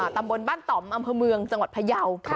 ตำบลบ้านต่อมอำเภอเมืองจังหวัดพยาว